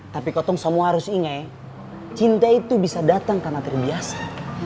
tapi katong samuel harus inge cinta itu bisa datang karena terbiasa